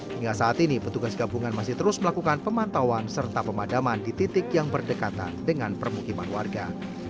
hingga saat ini petugas gabungan masih terus melakukan pemantauan serta pemadaman di titik yang berdekatan dengan permukiman warga